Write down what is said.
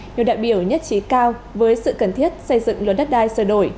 nhiều đại biểu nhất trí cao với sự cần thiết xây dựng luật đất đai sửa đổi